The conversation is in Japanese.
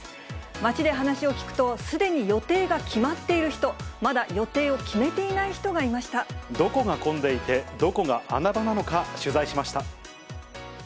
街で話を聞くと、すでに予定が決まっている人、まだ予定を決めてどこが混んでいて、どこが穴場なのか、取材しました。